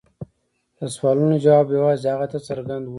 د سوالونو ځواب یوازې هغه ته څرګند و.